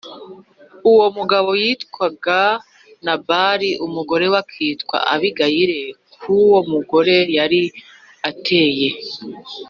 Uwo mugabo yitwaga Nabali j umugore we akitwa Abigayili k Uwo mugore yari ateye